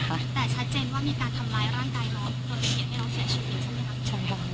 แต่ชัดเจนว่ามีการทำร้ายร่างกายน้องจนเหตุให้น้องเสียชีวิตใช่ไหมคะ